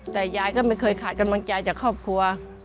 แต่ยายก็ไม่เคยขาดกำลังใจจากครอบครัว